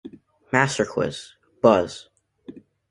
Master Quiz", "Buzz!